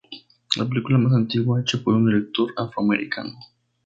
Es la película más antigua hecha por un director afroamericano.